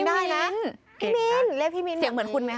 พี่มิลเรียกพี่มิลต่อนไปเสียงเหมือนคุณไหมครับ